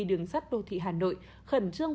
đường sắt đô thị hà nội khẩn trương